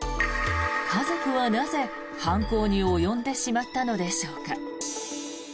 家族はなぜ、犯行に及んでしまったのでしょうか。